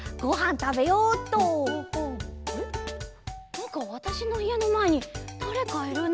なんかわたしのいえのまえにだれかいるな。